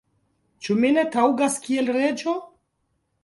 ĉu mi ne taŭgas kiel reĝo?